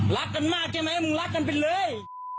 รักกันมากใช่ไหมมึงรักกันไปเลย